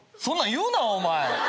そんなん言うなお前！